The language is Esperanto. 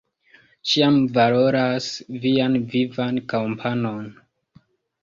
Ĉiam valoras vian vivan kompanon.